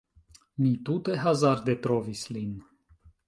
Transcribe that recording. Mi tute hazarde trovis lin